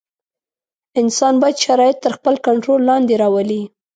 انسان باید شرایط تر خپل کنټرول لاندې راولي.